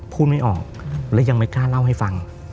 ไม่ออกและยังไม่กล้าเล่าให้ฟัง